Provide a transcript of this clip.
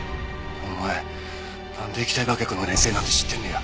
お前なんで液体爆薬の粘性なんて知ってんねや。